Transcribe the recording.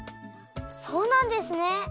そうなんですね！